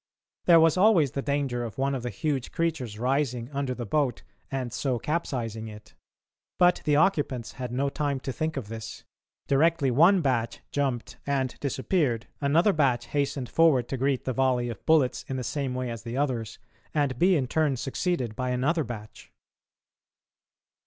There was always the danger of one of the huge creatures rising under the boat, and so capsizing it; but the occupants had no time to think of this. Directly one batch jumped and disappeared, another batch hastened forward to greet the volley of bullets in the same way as the others, and be in turn succeeded by another batch!